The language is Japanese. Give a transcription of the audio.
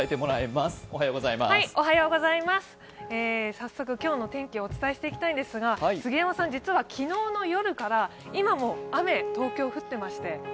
早速今日の天気をお伝えしていきたいんですが、杉山さん昨日の夜から今も雨、東京、降ってまして。